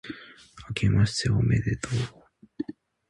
あけましておめでとう